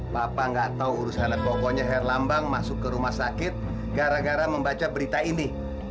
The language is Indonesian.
bapak nggak tahu urusan helet pokoknya herlambang masuk ke rumah sakit gara gara membaca berita ini